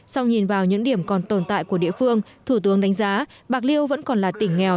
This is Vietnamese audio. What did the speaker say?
sau nhìn vào những điểm còn tồn tại của địa phương thủ tướng đánh giá bạc liêu vẫn còn là tỉnh nghèo